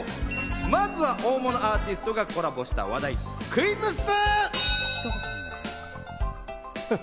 まずは大物アーティストがコラボした話題、クイズッス。